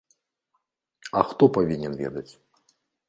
А хто павінен ведаць?